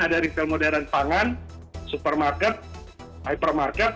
ada retail modern pangan supermarket hypermarket